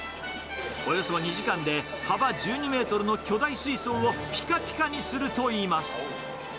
およそ２時間で、幅１２メートルの巨大水槽をぴかぴかにするといいます。